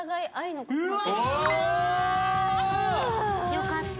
よかった。